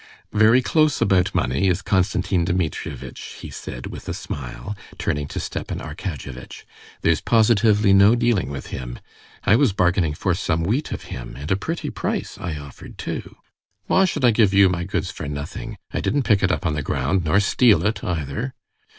"Very close about money is Konstantin Dmitrievitch," he said with a smile, turning to Stepan Arkadyevitch; "there's positively no dealing with him. I was bargaining for some wheat of him, and a pretty price I offered too." "Why should I give you my goods for nothing? I didn't pick it up on the ground, nor steal it either."